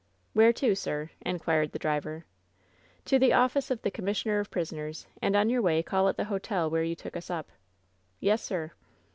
"Where to, sir?" inquired the driver. "To the office of the commissioner of prisoners; and on your way call at the hotel where you took us up." "Yes, sir."